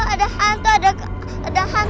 ada hantu kepala orang